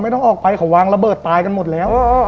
ต้องออกไปเขาวางระเบิดตายกันหมดแล้ว